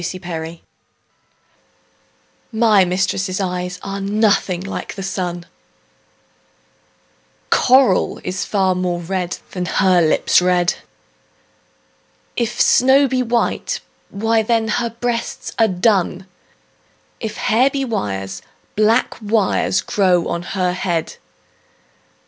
CXXX My mistress' eyes are nothing like the sun; Coral is far more red, than her lips red: If snow be white, why then her breasts are dun; If hairs be wires, black wires grow on her head.